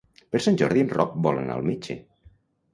Per Sant Jordi en Roc vol anar al metge.